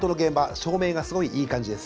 照明がすごくいい感じです。